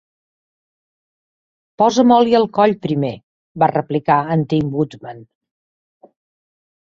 "Posa'm oli al coll, primer", va replicar el Tin Woodman.